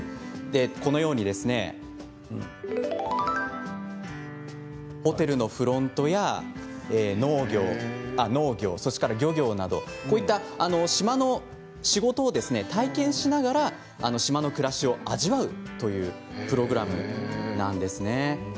このようにホテルのフロントや農業、そして漁業など島の仕事を体験しながら島の暮らしを味わうというプログラムなんです。